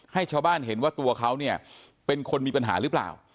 ให้ชาวบ้านเห็นว่าตัวเขาเนี่ยเป็นคนมีปัญหาหรือเปล่า